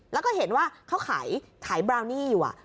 แล้วก็เห็นว่าเขาขายขายบราวนี่อยู่